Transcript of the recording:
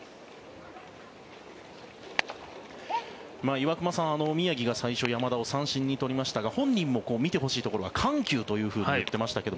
岩隈さん、宮城が最初山田を三振に取りましたが本人も見てほしいところが緩急と言ってましたけど